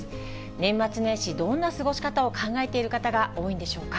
年末年始、どんな過ごし方を考えている方が多いんでしょうか。